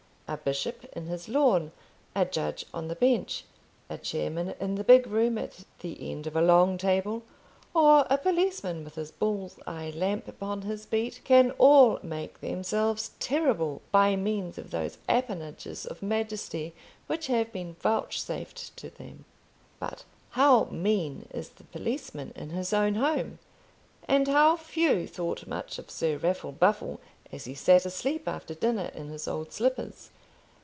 A bishop in his lawn, a judge on the bench, a chairman in the big room at the end of a long table, or a policeman with his bull's eye lamp upon his beat, can all make themselves terrible by means of those appanages of majesty which have been vouchsafed to them. But how mean is the policeman in his own home, and how few thought much of Sir Raffle Buffle as he sat asleep after dinner in his old slippers!